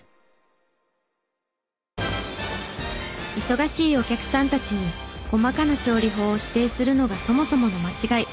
忙しいお客さんたちに細かな調理法を指定するのがそもそもの間違い。